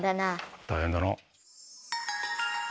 大変だな。